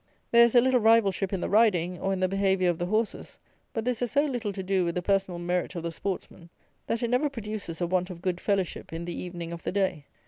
There is a little rivalship in the riding, or in the behaviour of the horses; but this has so little to do with the personal merit of the sportsmen, that it never produces a want of good fellowship in the evening of the day.